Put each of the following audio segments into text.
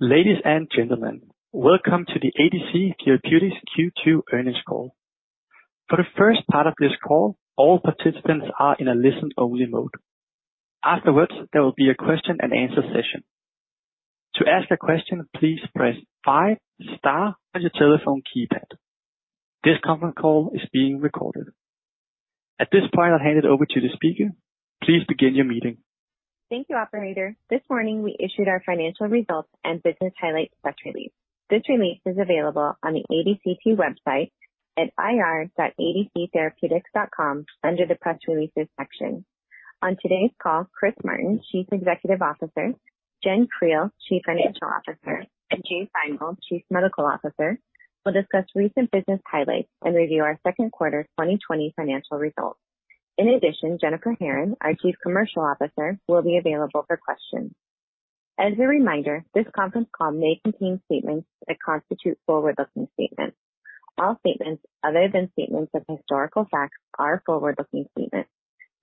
Ladies and gentlemen, welcome to the ADC Therapeutics Q2 earnings call. For the first part of this call, all participants are in a listen-only mode. Afterwards, there will be a question-and-answer session. To ask a question, please press five star on your telephone keypad. This conference call is being recorded. At this point, I'll hand it over to the speaker. Thank you, operator. This morning we issued our financial results and business highlights press release. This release is available on the ADCT website at ir.adctherapeutics.com under the Press Releases section. On today's call, Chris Martin, Chief Executive Officer, Jenn Creel, Chief Financial Officer, and Jay Feingold, Chief Medical Officer, will discuss recent business highlights and review our second quarter 2020 financial results. In addition, Jennifer Herron, our Chief Commercial Officer, will be available for questions. As a reminder, this conference call may contain statements that constitute forward-looking statements. All statements other than statements of historical facts are forward-looking statements.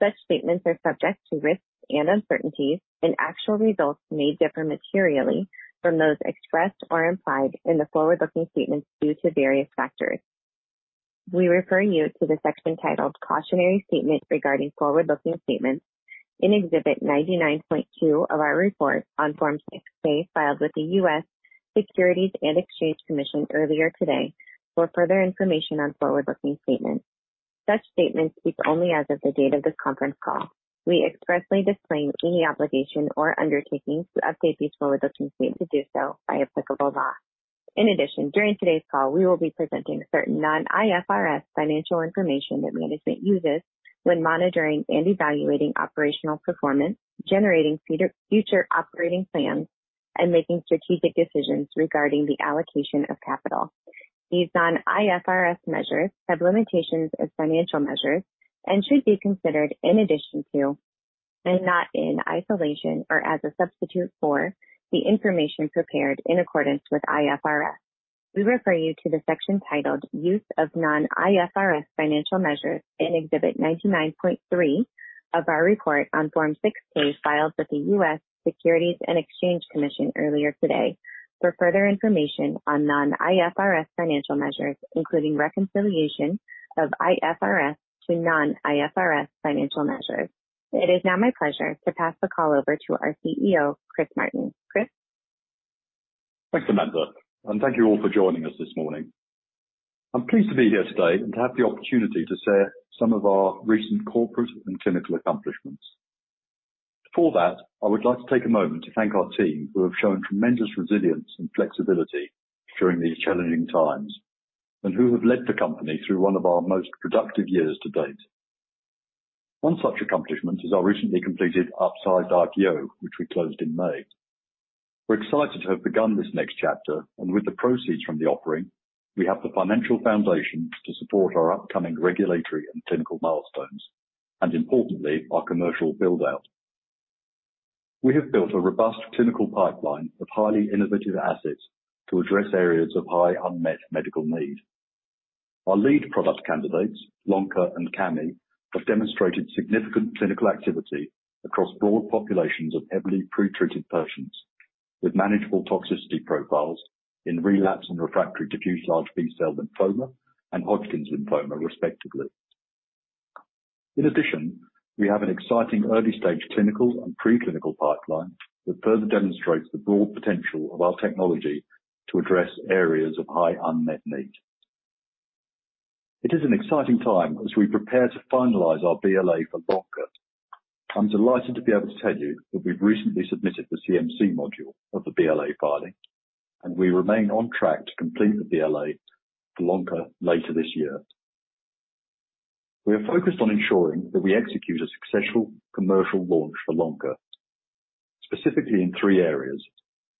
Such statements are subject to risks and uncertainties, and actual results may differ materially from those expressed or implied in the forward-looking statements due to various factors. We refer you to the section titled Cautionary Statement Regarding Forward-Looking Statements in Exhibit 99.2 of our report on Form 6-K filed with the U.S. Securities and Exchange Commission earlier today for further information on forward-looking statements. Such statements speak only as of the date of this conference call. We expressly disclaim any obligation or undertaking to update these forward-looking statements to do so by applicable law. In addition, during today's call, we will be presenting certain non-IFRS financial information that management uses when monitoring and evaluating operational performance, generating future operating plans, and making strategic decisions regarding the allocation of capital. These non-IFRS measures have limitations as financial measures and should be considered in addition to, and not in isolation or as a substitute for the information prepared in accordance with IFRS. We refer you to the section titled Use of Non-IFRS Financial Measures in Exhibit 99.3 of our report on Form 6-K filed with the U.S. Securities and Exchange Commission earlier today for further information on non-IFRS financial measures, including reconciliation of IFRS to non-IFRS financial measures. It is now my pleasure to pass the call over to our CEO, Chris Martin. Chris? Thanks, Amanda, and thank you all for joining us this morning. I'm pleased to be here today and to have the opportunity to share some of our recent corporate and clinical accomplishments. Before that, I would like to take a moment to thank our team who have shown tremendous resilience and flexibility during these challenging times, and who have led the company through one of our most productive years to date. One such accomplishment is our recently completed upsized IPO, which we closed in May. We're excited to have begun this next chapter, and with the proceeds from the offering, we have the financial foundation to support our upcoming regulatory and clinical milestones, and importantly, our commercial build-out. We have built a robust clinical pipeline of highly innovative assets to address areas of high unmet medical need. Our lead product candidates, lonca and Cami, have demonstrated significant clinical activity across broad populations of heavily pretreated persons with manageable toxicity profiles in relapsed and refractory diffuse large B-cell lymphoma and Hodgkin lymphoma respectively. We have an exciting early-stage clinical and preclinical pipeline that further demonstrates the broad potential of our technology to address areas of high unmet need. It is an exciting time as we prepare to finalize our BLA for lonca. I'm delighted to be able to tell you that we've recently submitted the CMC module of the BLA filing, and we remain on track to complete the BLA for lonca later this year. We are focused on ensuring that we execute a successful commercial launch for lonca, specifically in three areas,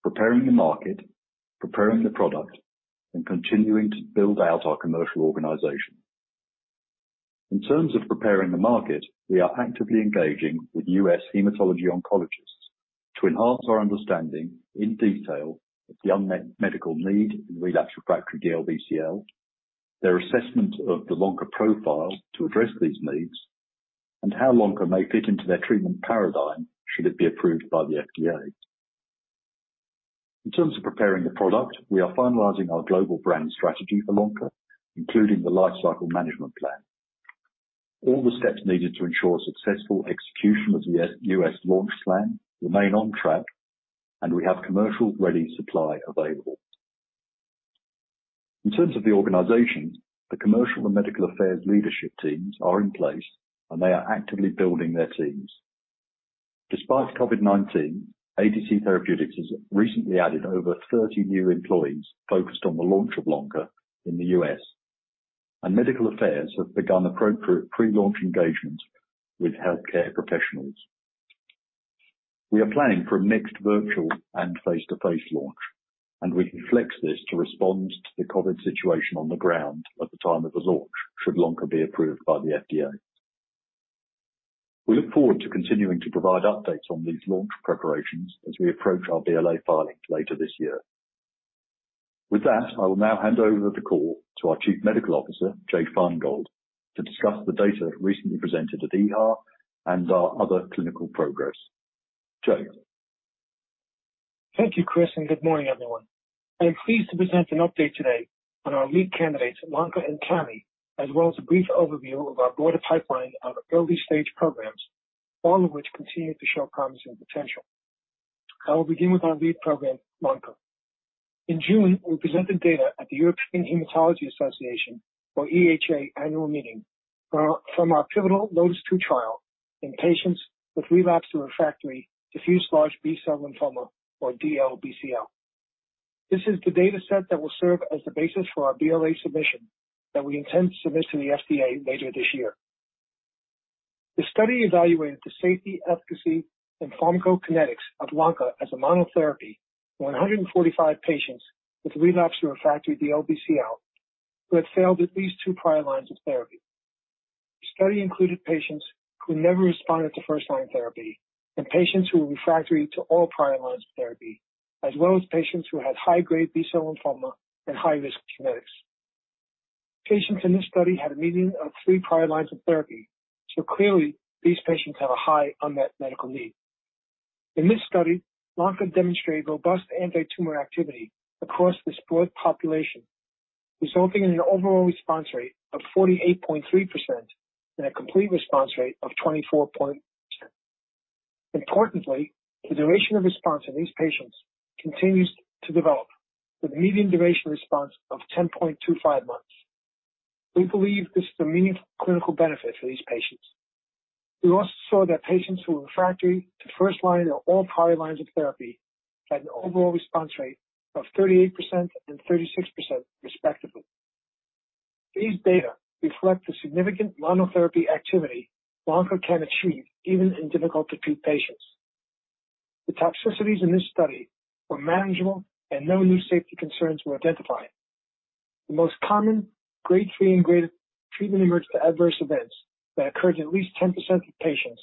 preparing the market, preparing the product, and continuing to build out our commercial organization. In terms of preparing the market, we are actively engaging with U.S. hematology oncologists to enhance our understanding in detail of the unmet medical need in relapse refractory DLBCL, their assessment of the lonca profile to address these needs, and how lonca may fit into their treatment paradigm should it be approved by the FDA. In terms of preparing the product, we are finalizing our global brand strategy for lonca, including the life cycle management plan. All the steps needed to ensure successful execution of the U.S. launch plan remain on track, and we have commercial-ready supply available. In terms of the organization, the commercial and medical affairs leadership teams are in place, and they are actively building their teams. Despite COVID-19, ADC Therapeutics has recently added over 30 new employees focused on the launch of lonca in the U.S., and medical affairs have begun appropriate pre-launch engagements with healthcare professionals. We are planning for a mixed virtual and face-to-face launch, we can flex this to respond to the COVID situation on the ground at the time of the launch should lonca be approved by the FDA. We look forward to continuing to provide updates on these launch preparations as we approach our BLA filing later this year. With that, I will now hand over the call to our Chief Medical Officer, Jay Feingold, to discuss the data recently presented at EHA and our other clinical progress. Jay? Thank you, Chris. Good morning, everyone. I am pleased to present an update today on our lead candidates, lonca and Cami, as well as a brief overview of our broader pipeline of early-stage programs, all of which continue to show promising potential. I will begin with our lead program, lonca. In June, we presented data at the European Hematology Association, or EHA, annual meeting from our pivotal LOTIS-2 trial in patients with relapsed or refractory diffuse large B-cell lymphoma, or DLBCL. This is the data set that will serve as the basis for our BLA submission that we intend to submit to the FDA later this year. The study evaluated the safety, efficacy, and pharmacokinetics of lonca as a monotherapy for 145 patients with relapsed or refractory DLBCL who had failed at least two prior lines of therapy. The study included patients who never responded to first-line therapy and patients who were refractory to all prior lines of therapy, as well as patients who had high-grade B-cell lymphoma and high-risk genetics. Patients in this study had a median of three prior lines of therapy. Clearly, these patients have a high unmet medical need. In this study, lonca demonstrated robust anti-tumor activity across this broad population, resulting in an overall response rate of 48.3% and a complete response rate of 24.6%. Importantly, the duration of response in these patients continues to develop, with a median duration response of 10.25 months. We believe this is a meaningful clinical benefit for these patients. We also saw that patients who were refractory to first-line or all prior lines of therapy had an overall response rate of 38% and 36% respectively. These data reflect the significant monotherapy activity lonca can achieve even in difficult-to-treat patients. The toxicities in this study were manageable, and no new safety concerns were identified. The most common Grade 3 and greater Treatment-Emergent Adverse Events that occurred in at least 10% of patients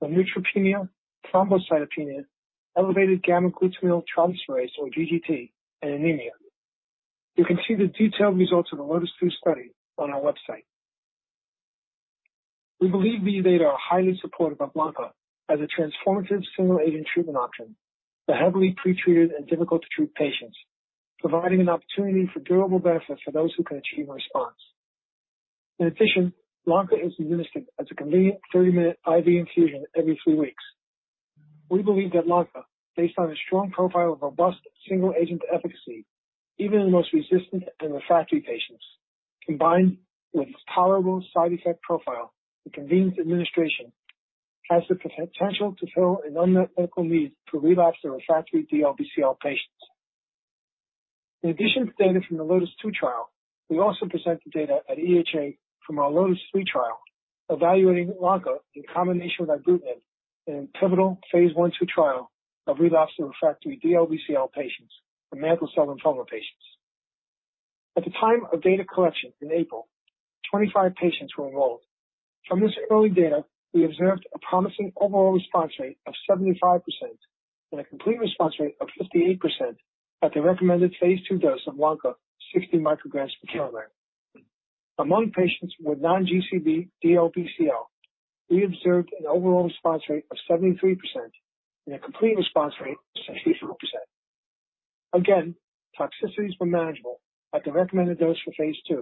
were neutropenia, thrombocytopenia, elevated gamma-glutamyl transferase, or GGT, and anemia. You can see the detailed results of the LOTIS-2 study on our website. We believe these data are highly supportive of lonca as a transformative single-agent treatment option for heavily pretreated and difficult-to-treat patients, providing an opportunity for durable benefit for those who can achieve a response. In addition, lonca is administered as a convenient 30-minute IV infusion every three weeks. We believe that lonca, based on a strong profile of robust single-agent efficacy, even in the most resistant and refractory patients, combined with its tolerable side effect profile and convenient administration, has the potential to fill an unmet medical need for relapsed or refractory DLBCL patients. In addition to data from the LOTIS-2 trial, we also present the data at EHA from our LOTIS-3 trial evaluating lonca in combination with ibrutinib in a pivotal phase I/II trial of relapsed or refractory DLBCL patients and mantle cell lymphoma patients. At the time of data collection in April, 25 patients were enrolled. From this early data, we observed a promising overall response rate of 75% and a complete response rate of 58% at the recommended phase II dose of lonca 60 micrograms per kilogram. Among patients with non-GCB DLBCL, we observed an overall response rate of 73% and a complete response rate of 64%. Again, toxicities were manageable at the recommended dose for phase II.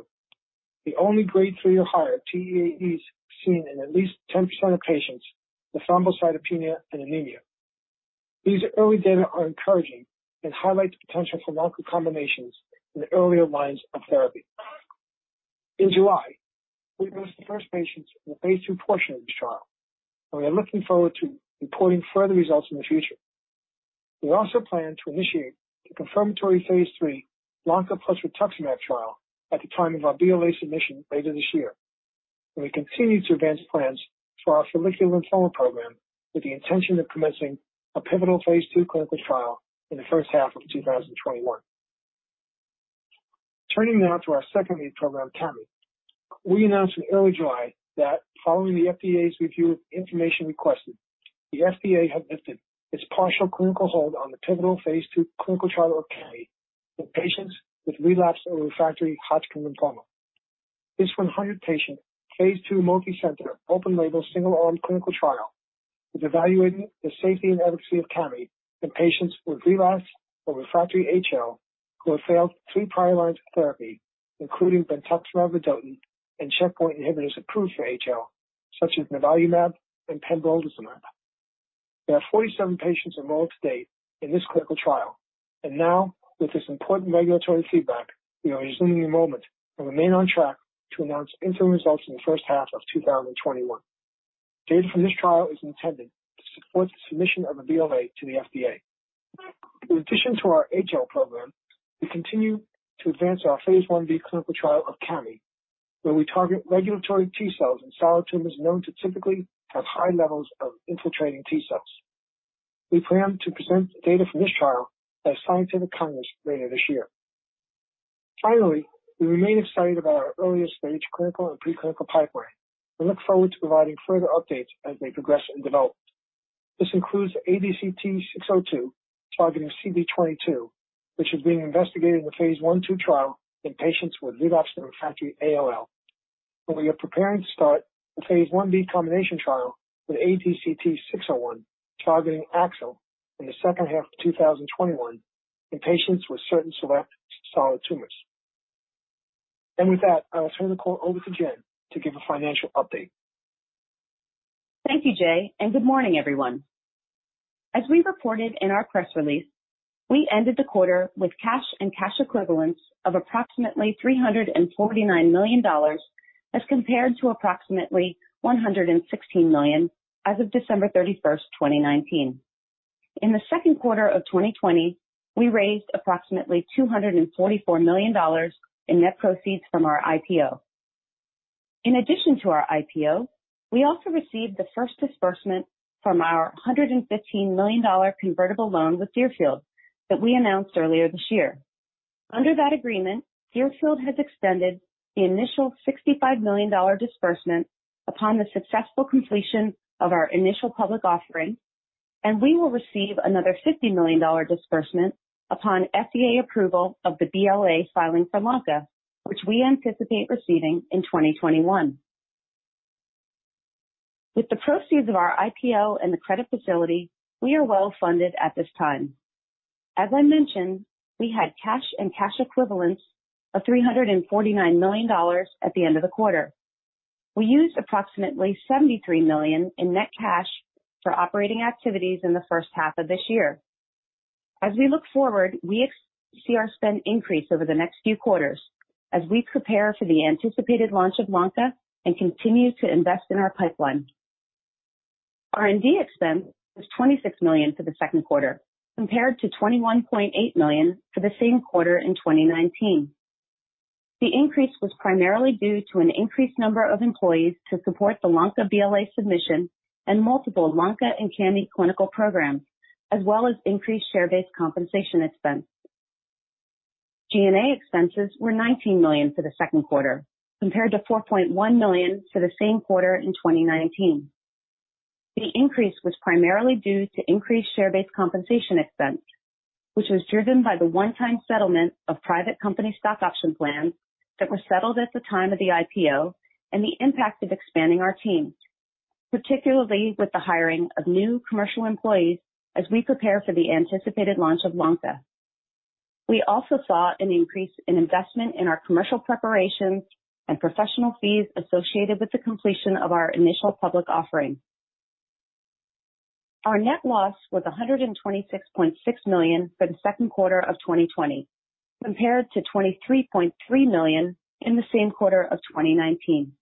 The only Grade 3 or higher TEAEs seen in at least 10% of patients were thrombocytopenia and anemia. These early data are encouraging and highlight the potential for lonca combinations in earlier lines of therapy. In July, we enrolled the first patients in the phase II portion of this trial. We are looking forward to reporting further results in the future. We also plan to initiate the confirmatory phase III lonca plus rituximab trial at the time of our BLA submission later this year. We continue to advance plans for our follicular lymphoma program with the intention of commencing a pivotal phase II clinical trial in the first half of 2021. Turning now to our second lead program, Cami. We announced in early July that following the FDA's review of information requested, the FDA has lifted its partial clinical hold on the pivotal phase II clinical trial of Cami in patients with relapsed or refractory Hodgkin lymphoma. This 100-patient, phase II, multicenter, open-label, single-arm clinical trial is evaluating the safety and efficacy of Cami in patients with relapsed or refractory HL who have failed three prior lines of therapy, including brentuximab vedotin and checkpoint inhibitors approved for HL, such as nivolumab and pembrolizumab. There are 47 patients enrolled to date in this clinical trial. Now with this important regulatory feedback, we are resuming enrollment and remain on track to announce interim results in the first half of 2021. Data from this trial is intended to support the submission of a BLA to the FDA. In addition to our HL program, we continue to advance our phase I-B clinical trial of Cami, where we target regulatory T cells in solid tumors known to typically have high levels of infiltrating T cells. We plan to present data from this trial at Scientific Congress later this year. We remain excited about our earlier-stage clinical and preclinical pipeline and look forward to providing further updates as they progress and develop. This includes ADCT-602 targeting CD22, which is being investigated in the phase I/II trial in patients with relapsed refractory ALL. We are preparing to start the phase I-B combination trial with ADCT-601 targeting AXL in the second half of 2021 in patients with certain select solid tumors. With that, I will turn the call over to Jenn to give a financial update. Thank you, Jay. Good morning, everyone. As we reported in our press release, we ended the quarter with cash and cash equivalents of approximately $349 million as compared to approximately $116 million as of December 31st, 2019. In the second quarter of 2020, we raised approximately $244 million in net proceeds from our IPO. In addition to our IPO, we also received the first disbursement from our $115 million convertible loan with Deerfield that we announced earlier this year. Under that agreement, Deerfield has extended the initial $65 million disbursement upon the successful completion of our initial public offering, and we will receive another $50 million disbursement upon FDA approval of the BLA filing for lonca, which we anticipate receiving in 2021. With the proceeds of our IPO and the credit facility, we are well-funded at this time. As I mentioned, we had cash and cash equivalents of $349 million at the end of the quarter. We used approximately $73 million in net cash for operating activities in the first half of this year. As we look forward, we see our spend increase over the next few quarters as we prepare for the anticipated launch of lonca and continue to invest in our pipeline. R&D expense was $26 million for the second quarter, compared to $21.8 million for the same quarter in 2019. The increase was primarily due to an increased number of employees to support the lonca BLA submission and multiple lonca and Cami clinical programs, as well as increased share-based compensation expense. G&A expenses were $19 million for the second quarter, compared to $4.1 million for the same quarter in 2019. The increase was primarily due to increased share-based compensation expense, which was driven by the one-time settlement of private company stock option plans that were settled at the time of the IPO and the impact of expanding our team, particularly with the hiring of new commercial employees as we prepare for the anticipated launch of lonca. We also saw an increase in investment in our commercial preparations and professional fees associated with the completion of our initial public offering. Our net loss was $126.6 million for the second quarter of 2020, compared to $23.3 million in the same quarter of 2019.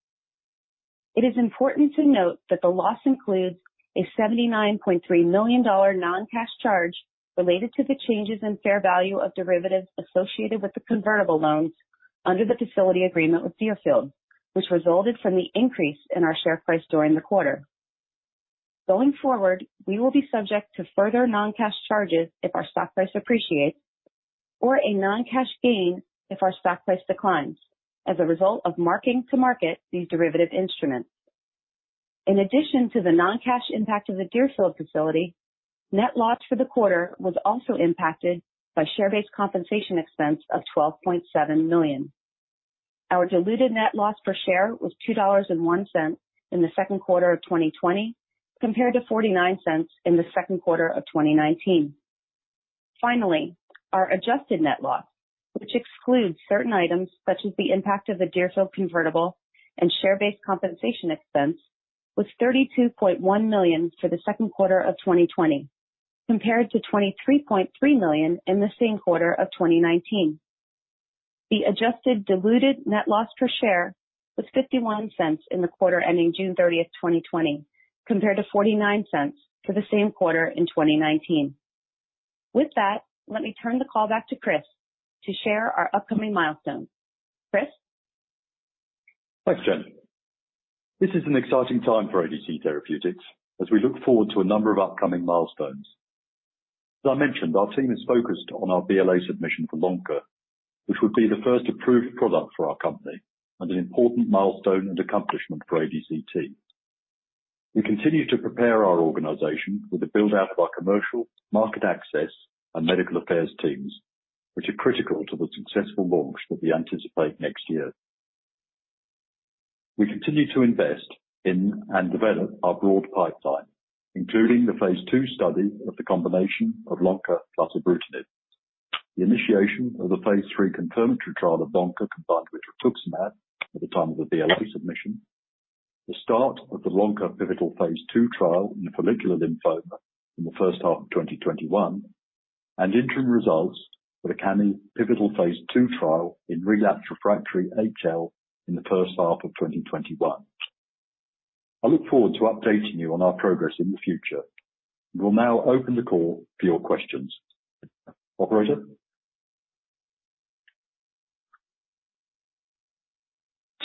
It is important to note that the loss includes a $79.3 million non-cash charge related to the changes in fair value of derivatives associated with the convertible loans under the facility agreement with Deerfield, which resulted from the increase in our share price during the quarter. Going forward, we will be subject to further non-cash charges if our stock price appreciates or a non-cash gain if our stock price declines as a result of marking to market these derivative instruments. In addition to the non-cash impact of the Deerfield facility, net loss for the quarter was also impacted by share-based compensation expense of $12.7 million. Our diluted net loss per share was $2.01 in the second quarter of 2020, compared to $0.49 in the second quarter of 2019. Finally, our adjusted net loss, which excludes certain items such as the impact of the Deerfield convertible and share-based compensation expense, was $32.1 million for the second quarter of 2020, compared to $23.3 million in the same quarter of 2019. The adjusted diluted net loss per share was $0.51 in the quarter ending June 30th, 2020, compared to $0.49 for the same quarter in 2019. With that, let me turn the call back to Chris to share our upcoming milestones. Chris? Thanks, Jenn. This is an exciting time for ADC Therapeutics as we look forward to a number of upcoming milestones. As I mentioned, our team is focused on our BLA submission for lonca, which would be the first approved product for our company and an important milestone and accomplishment for ADCT. We continue to prepare our organization for the build-out of our commercial, market access, and medical affairs teams, which are critical to the successful launch that we anticipate next year. We continue to invest in and develop our broad pipeline, including the phase II study of the combination of lonca plus ibrutinib, the initiation of the phase III confirmatory trial of lonca combined with rituximab at the time of the BLA submission, the start of the lonca pivotal phase II trial in follicular lymphoma in the first half of 2021, and interim results for the Cami pivotal phase II trial in relapsed refractory HL in the first half of 2021. I look forward to updating you on our progress in the future. We will now open the call for your questions.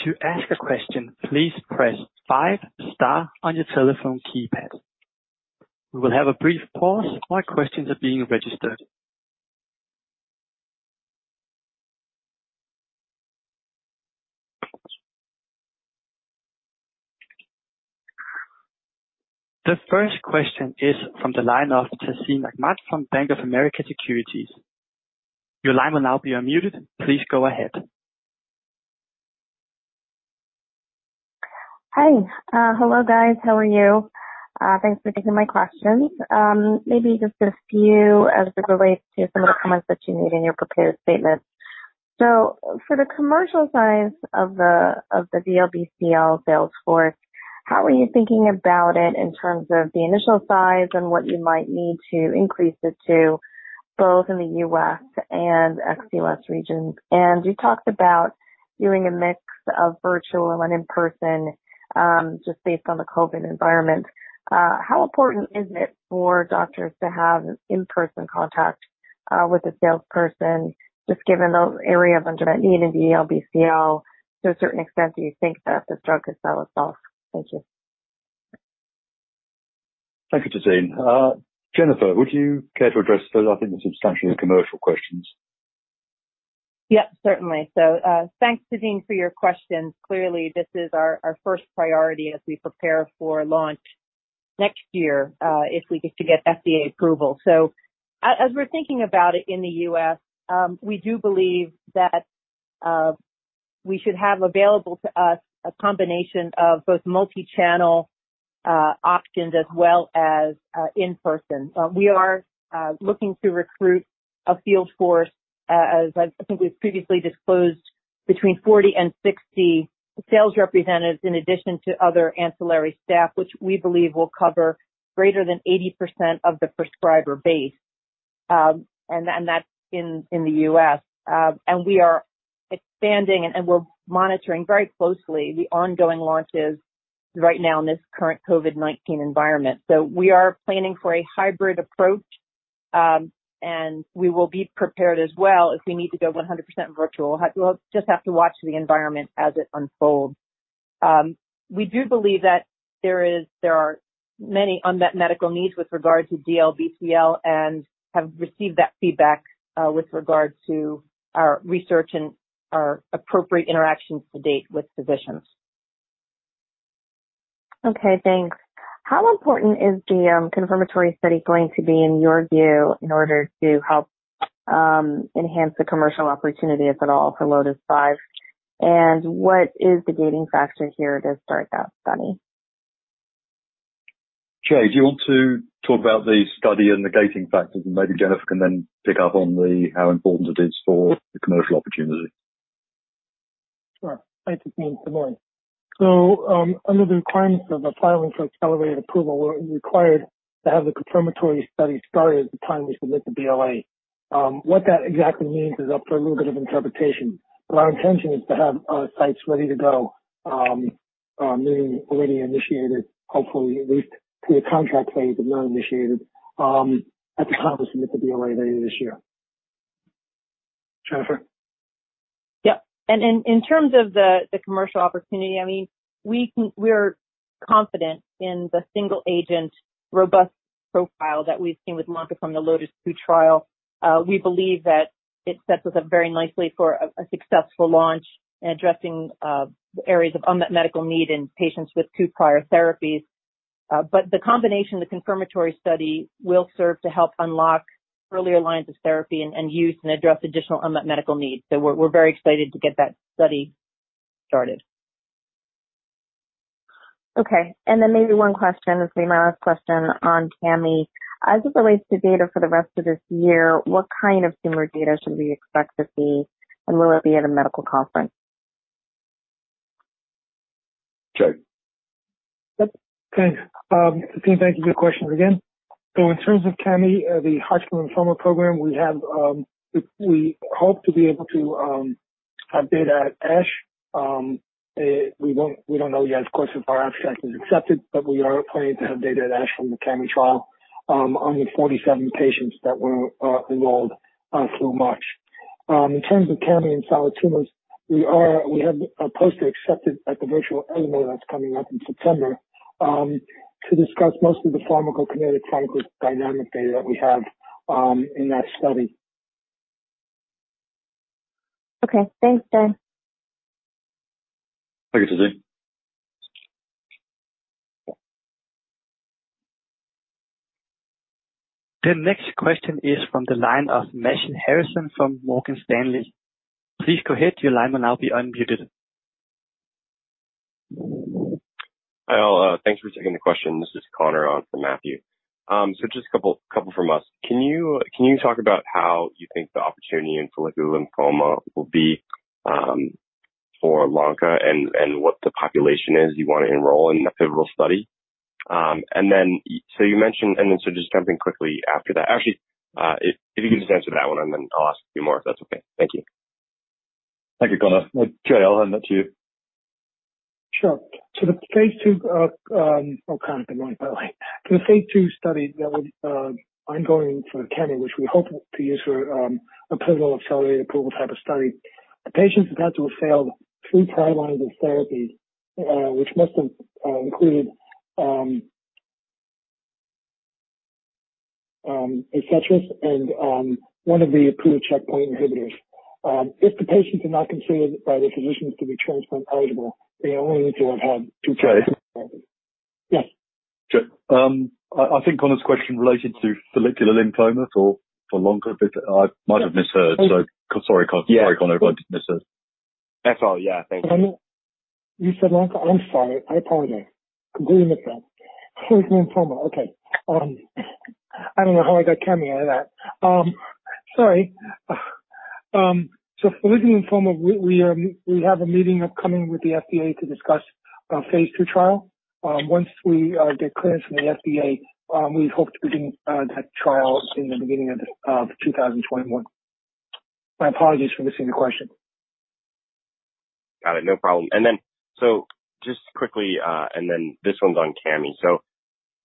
Operator? To ask a question, please press five star on your telephone keypad. We will have a brief pause while questions are being registered. The first question is from the line of Tazeen Ahmad from Bank of America Securities. Your line will now be unmuted. Please go ahead. Hi. Hello, guys. How are you? Thanks for taking my questions. Maybe just a few as it relates to some of the comments that you made in your prepared statements. For the commercial size of the DLBCL sales force, how are you thinking about it in terms of the initial size and what you might need to increase it to, both in the U.S. and ex-U.S. regions? You talked about doing a mix of virtual and in-person, just based on the COVID-19 environment. How important is it for doctors to have in-person contact with a salesperson, just given those areas of unmet need in DLBCL to a certain extent, do you think that this drug could sell itself? Thank you. Thank you, Tazeen. Jennifer, would you care to address those? I think they're substantially commercial questions. Yep, certainly. Thanks, Tazeen, for your questions. Clearly, this is our first priority as we prepare for launch next year, if we get to get FDA approval. As we're thinking about it in the U.S., we do believe that we should have available to us a combination of both multi-channel options as well as in-person. We are looking to recruit a field force, as I think we've previously disclosed, between 40 and 60 sales representatives in addition to other ancillary staff, which we believe will cover greater than 80% of the prescriber base. That's in the U.S. We are expanding and we're monitoring very closely the ongoing launches right now in this current COVID-19 environment. We are planning for a hybrid approach, and we will be prepared as well if we need to go 100% virtual. We'll just have to watch the environment as it unfolds. We do believe that there are many unmet medical needs with regard to DLBCL and have received that feedback, with regards to our research and our appropriate interactions to date with physicians. Okay, thanks. How important is the confirmatory study going to be in your view in order to help enhance the commercial opportunity, if at all, for LOTIS-5? What is the gating factor here to start that study? Jay, do you want to talk about the study and the gating factors, and maybe Jennifer can then pick up on how important it is for the commercial opportunity? Sure. Thanks, Tazeen. Good morning. Under the requirements of applying for accelerated approval, we're required to have the confirmatory study started at the time we submit the BLA. What that exactly means is up for a little bit of interpretation, but our intention is to have sites ready to go, meaning already initiated, hopefully at least through the contract phase, if not initiated, at the time we submit the BLA later this year. Jennifer. Yep. In terms of the commercial opportunity, we're confident in the single-agent, robust profile that we've seen with lonca from the LOTIS-2 trial. We believe that it sets us up very nicely for a successful launch in addressing areas of unmet medical need in patients with two prior therapies. The combination, the confirmatory study, will serve to help unlock earlier lines of therapy and use and address additional unmet medical needs. We're very excited to get that study started. Okay. Maybe one question, this will be my last question on Cami. As it relates to data for the rest of this year, what kind of similar data should we expect to see, and will it be at a medical conference? Jay. Yep. Okay. Tazeen, thank you for your questions again. In terms of Cami, the Hodgkin lymphoma program, we hope to be able to have data at ASH. We don't know yet, of course, if our abstract is accepted, we are planning to have data at ASH from the Cami trial on the 47 patients that were enrolled through March. In terms of Cami and solid tumors, we have a poster accepted at the virtual EHA that's coming up in September, to discuss most of the pharmacokinetic/pharmacodynamic data that we have in that study. Okay. Thanks, Jay. Thank you, Tazeen. The next question is from the line of Matthew Harrison from Morgan Stanley. Hi all. Thanks for taking the question. This is Connor on for Matthew. Just a couple from us. Can you talk about how you think the opportunity in follicular lymphoma will be for lonca and what the population is you want to enroll in the pivotal study? Actually, if you could just answer that one, and then I'll ask a few more, if that's okay. Thank you. Thank you, Connor. Jay, I'll hand that to you. Sure. Connor, wrong, my bad. For the phase II study that was ongoing for Cami, which we hope to use for a pivotal accelerated approval type of study, the patients have had to have failed three prior lines of therapy, which must have included et cetera, and one of the approved checkpoint inhibitors. If the patients are not considered by their physicians to be transplant eligible, they only need to have had two prior- Yes. Jay, I think Connor's question related to follicular lymphoma for lonca, but I might have misheard. Sorry, Connor, if I did miss it. That's all. Yeah. Thank you. You said lonca? I'm sorry. I apologize. Completely missed that. Follicular lymphoma. Okay. I don't know how I got Cami out of that. Sorry. Follicular lymphoma, we have a meeting upcoming with the FDA to discuss our phase II trial. Once we get clearance from the FDA, we hope to begin that trial in the beginning of 2021. My apologies for missing the question. Got it. No problem. Just quickly, this one's on Cami.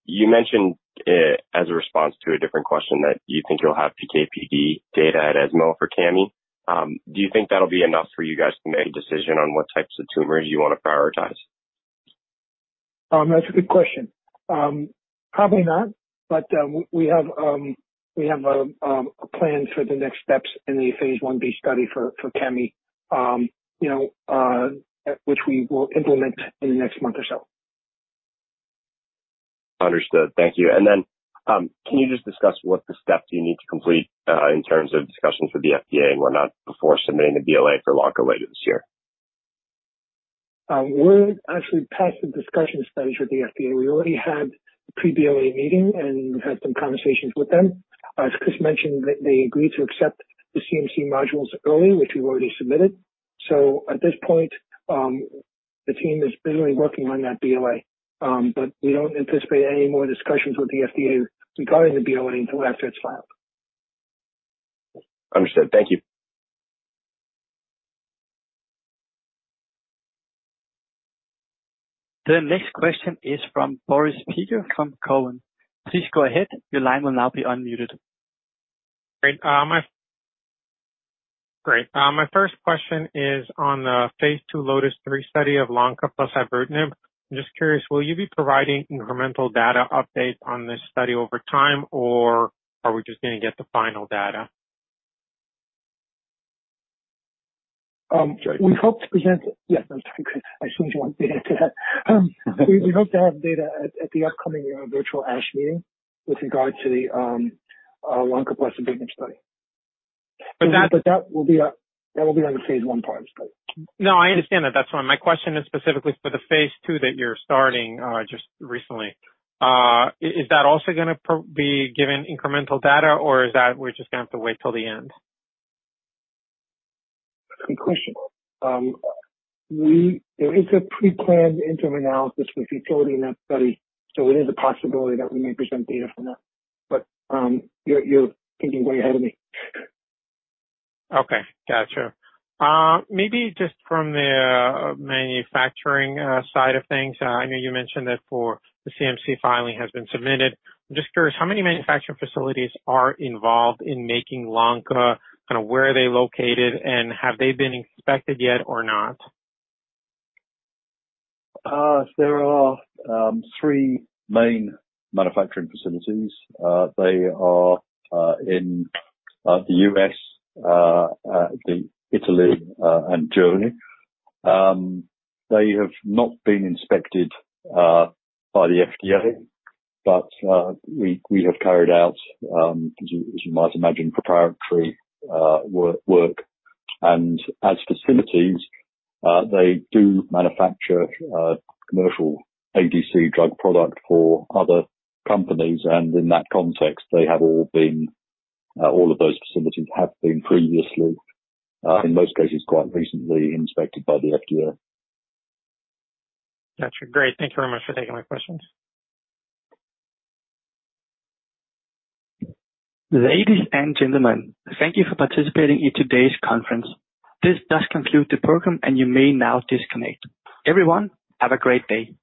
You mentioned as a response to a different question that you think you'll have PK/PD data at ESMO for Cami. Do you think that'll be enough for you guys to make a decision on what types of tumors you want to prioritize? That's a good question. Probably not, but we have a plan for the next steps in the phase I-B study for Cami, which we will implement in the next month or so. Understood. Thank you. Can you just discuss what the steps you need to complete in terms of discussions with the FDA and whatnot before submitting the BLA for lonca later this year? We're actually past the discussion stage with the FDA. We already had a pre-BLA meeting, and we've had some conversations with them. As Chris mentioned, they agreed to accept the CMC modules early, which we've already submitted. At this point, the team is busily working on that BLA. We don't anticipate any more discussions with the FDA regarding the BLA until after it's filed. Understood. Thank you. The next question is from Boris Peaker from Cowen. Please go ahead. Your line will now be unmuted. Great. My first question is on the phase II LOTIS-3 study of lonca plus ibrutinib. I'm just curious, will you be providing incremental data updates on this study over time, or are we just going to get the final data? Yes, I'm sorry, Chris. I assumed you wanted me to answer that. We hope to have data at the upcoming virtual ASH meeting with regard to the lonca plus ibrutinib study. But that- That will be on the phase I part of the study. No, I understand that. That is why my question is specifically for the phase II that you are starting just recently. Is that also going to be given incremental data, or is that we are just going to have to wait till the end? That's a good question. There is a pre-planned interim analysis with utility in that study. It is a possibility that we may present data from that. You're thinking way ahead of me. Okay, gotcha. Maybe just from the manufacturing side of things, I know you mentioned that for the CMC filing has been submitted. I'm just curious, how many manufacturing facilities are involved in making lonca? Where are they located, and have they been inspected yet or not? There are three main manufacturing facilities. They are in the U.S., Italy, and Germany. They have not been inspected by the FDA, but we have carried out, as you might imagine, preparatory work. As facilities, they do manufacture commercial ADC drug product for other companies. In that context, all of those facilities have been previously, in most cases, quite recently inspected by the FDA. Got you. Great. Thank you very much for taking my questions. Ladies and gentlemen, thank you for participating in today's conference. This does conclude the program, and you may now disconnect. Everyone, have a great day.